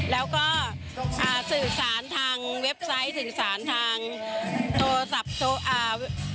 แล้วก็อ่าสื่อสารทางเว็บไซต์สื่อสารทางโทรศัพท์โทรอ่า